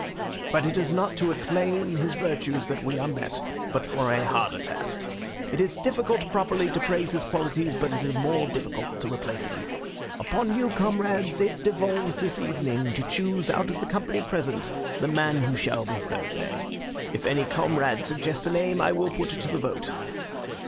But it is not to acclaim his virtues that we are met, but for a harder task. It is difficult properly to praise his qualities, but it is more difficult to replace them. Upon you, comrades, it devolves this evening to choose out of the company present the man who shall be Thursday. If any comrade suggests a name I will put it to the vote.